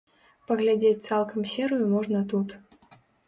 Паглядзець цалкам серыю можна тут.